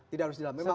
tidak harus di dalam